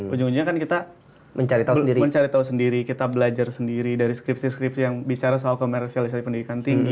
ujung ujungnya kan kita mencari tahu sendiri kita belajar sendiri dari skripsi skripsi yang bicara soal komersialisasi pendidikan tinggi